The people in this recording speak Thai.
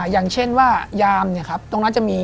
อย่างเช่นว่ายามตรงนั้นจะมี